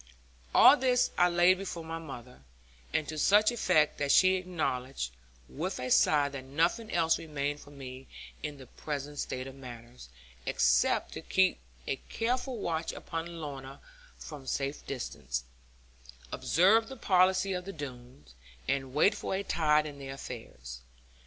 All this I laid before my mother, and to such effect that she acknowledged, with a sigh that nothing else remained for me (in the present state of matters) except to keep a careful watch upon Lorna from safe distance, observe the policy of the Doones, and wait for a tide in their affairs.